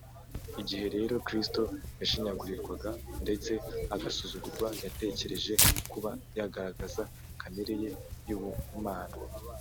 igihe rero kristo yashinyagurirwaga ndetse agasuzugurwa, yatekereje kuba yagaragaza kamere ye y’ubumana